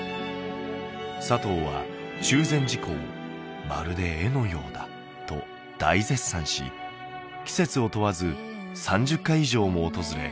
サトウは中禅寺湖を「まるで絵のようだ」と大絶賛し季節を問わず３０回以上も訪れ